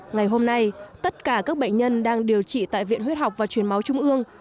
ngày hôm nay tất cả các bệnh nhân đang điều trị tại viện huyết học và truyền máu trung ương